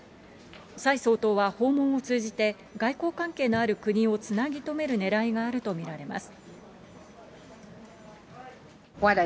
蔡総統は訪問を通じて、外交関係のある国をつなぎとめるねらいがあると見られます。